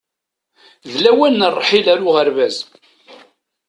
D lawan n ṛṛḥil ar uɣerbaz.